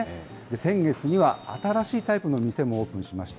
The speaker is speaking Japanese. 先月には、新しいタイプの店もオープンしました。